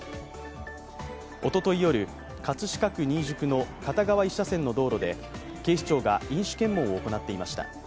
おととい夜、葛飾区新宿の片側１車線の道路で、警視庁が飲酒検問を行っていました。